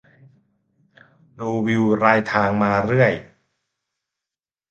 ดูวิวรายทางมาเรื่อย